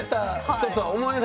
はい。